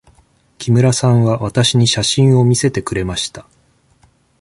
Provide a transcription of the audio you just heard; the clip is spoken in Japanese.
木村さんはわたしに写真を見せてくれました。